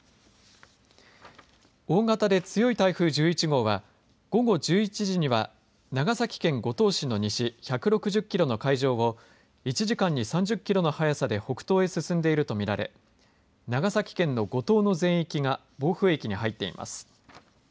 大型で強い台風１１号は午後１１時には長崎県五島市の西１６０キロの海上を１時間に３０キロの速さで北東へ進んでいると見られ長崎県の五島の全域が暴風域に入っています。